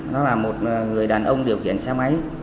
nó là một người đàn ông điều khiển xe máy